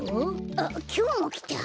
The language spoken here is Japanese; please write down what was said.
あっきょうもきた。